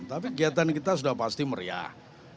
tapi kegiatan kita sudah pasti meriah